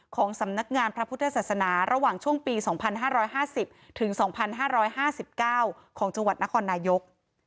ของสำนักงานพระพุทธศาสนาระหว่างช่วงปี๒๕๕๐ถึง๒๕๕๙ของจังหวัดนครนายก